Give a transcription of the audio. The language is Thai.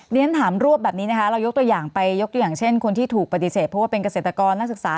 เรียนถามรวบแบบนี้นะคะเรายกตัวอย่างไปยกตัวอย่างเช่นคนที่ถูกปฏิเสธเพราะว่าเป็นเกษตรกรนักศึกษา